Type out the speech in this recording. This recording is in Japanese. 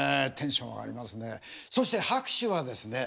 そして拍手はですね